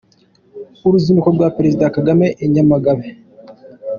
Uruzinduko rwa Perezida Kagame i Nyamagabe